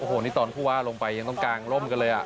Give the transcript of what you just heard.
โอ้โหนี่ตอนผู้ว่าลงไปยังต้องกางร่มกันเลย